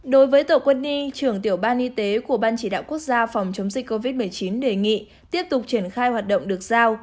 đối với tổ quân y trưởng tiểu ban y tế của ban chỉ đạo quốc gia phòng chống dịch covid một mươi chín đề nghị tiếp tục triển khai hoạt động được giao